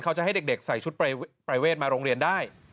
เขาจะให้เด็กใส่ชุดประเวทมาโรงเรียนได้